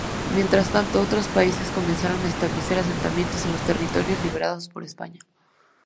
Mientras tanto, otros países comenzaron a establecer asentamientos en los territorios liberados por España.